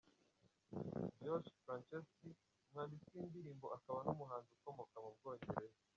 Josh Franceschi, umwanditsi w’indirimbo akaba n’umuhanzi ukomoka mu Bwongereza.